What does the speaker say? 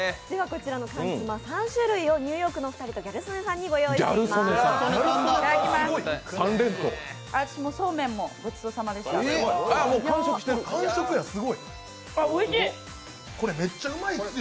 こちらの缶つま３種類をニューヨークのお二人さんとギャル曽根さんに御用意しています。